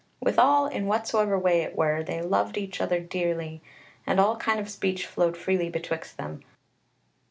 Withal in whatsoever way it were, they loved each other dearly, and all kind of speech flowed freely betwixt them.